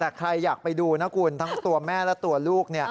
แต่ใครอยากไปดูนะคุณทั้งตัวแม่และตัวลูก